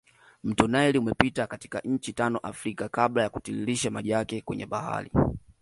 Mto nile umepita katika nchi tano Afrika kabla ya kutiririsha maji yake kwenye bahari